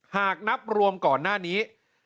หากนับรวมก่อนหน้านี้